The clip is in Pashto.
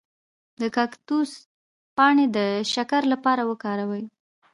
د کاکتوس پاڼې د شکر لپاره وکاروئ